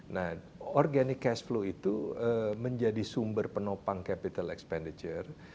nah organic cash flow itu menjadi sumber penopang capital expenditure